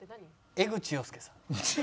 江口洋介さん。